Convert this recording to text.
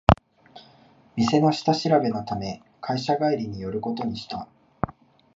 店の下調べのため会社帰りに寄ることにした